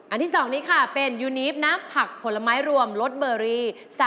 อันที่สองนี่ค่ะเป็นยูนีฟน้ำผักผลไม้รวมลดเบอรี่